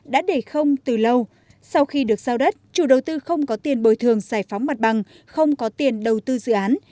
đã để không từ lâu sau khi được giao đất chủ đầu tư không có tiền bồi thường giải phóng mặt bằng không có tiền đầu tư dự án